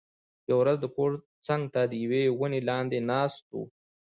یوه ورځ د کور څنګ ته د یوې ونې لاندې ناست و،